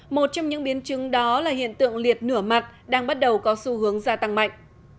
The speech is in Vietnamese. một trong những biến chứng đó là hiện tượng liệt nửa mặt đang bắt đầu có xu hướng gia tăng mạnh